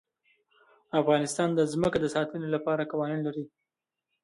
افغانستان د ځمکه د ساتنې لپاره قوانین لري.